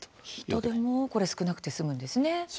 人も少なくて済むんですね。